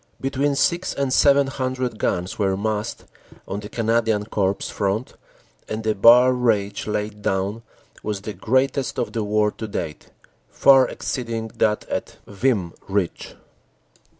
Between six and seven hundred guns were massed on the Canadian Corps front, and the bar rage laid down was the greatest of the war to date, far exceed ing that at Vimy Ridge.